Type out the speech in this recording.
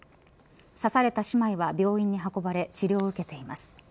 刺された姉妹は、病院に運ばれ治療を受けています。